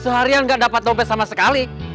seharian gak dapet dompet sama sekali